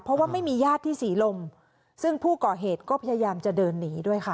เพราะว่าไม่มีญาติที่ศรีลมซึ่งผู้ก่อเหตุก็พยายามจะเดินหนีด้วยค่ะ